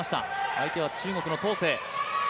相手は中国の唐セイ。